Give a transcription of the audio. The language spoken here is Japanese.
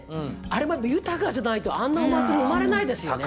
あれもやっぱり豊かじゃないとあんなお祭り生まれないですよね。